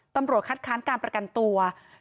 ตำรวจคัดค้านการประกันตัว